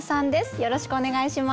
よろしくお願いします。